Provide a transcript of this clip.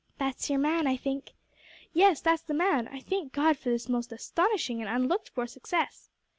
"That's your man, I think." "Yes, that's the man I thank God for this most astonishing and unlooked for success."